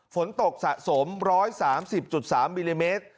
ฝนตกสะสม๑๓๐๓มิลลิเมตร